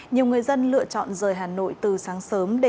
nhiều người dân lựa chọn rời hà nội từ sáng sớm